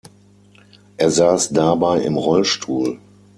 Er saß dabei im Rollstuhl.